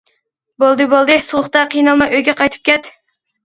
بولدى، بولدى، سوغۇقتا قىينالماي ئۆيگە قايتىپ كەت.